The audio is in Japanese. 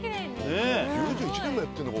ねえ９１年もやってんの？